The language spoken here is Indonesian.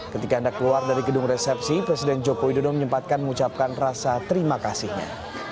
ketika anda keluar dari gedung resepsi presiden joko widodo menyempatkan mengucapkan rasa terima kasihnya